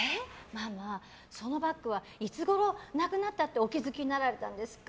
ママ、そのバッグはいつごろなくなったってお気づきになられたんですか？